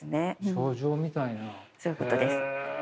そういうことです。